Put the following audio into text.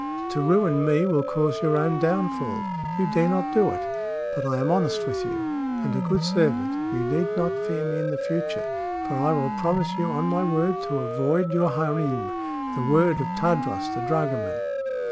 To ruin me will cause your own downfall. You dare not do it. But I am honest with you, and a good servant. You need not fear me in the future, for I will promise you on my word to avoid your harem the word of Tadros the dragoman!"